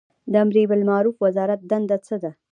د امربالمعروف وزارت دنده څه ده؟